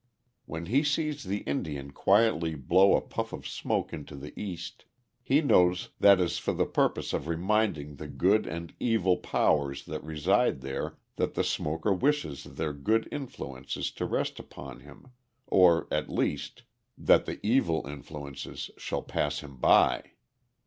When he sees the Indian quietly blow a puff of smoke to the East, he knows that is for the purpose of reminding the good and evil powers that reside there that the smoker wishes their good influences to rest upon him, or, at least, that the evil influences shall pass him by.